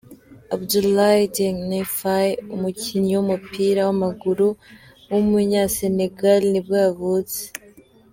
Abdoulaye Diagne-Faye, umukinnyi w’umupira w’amaguru w’umunyasenegal nibwo yavutse.